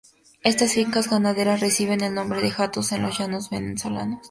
Estas fincas ganaderas reciben el nombre de hatos en Los Llanos venezolanos.